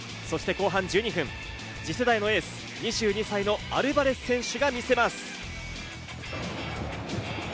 後半１２分、次世代のエース、２２歳のアルバレス選手が見せます。